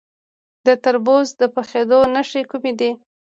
د تربوز د پخیدو نښې کومې دي؟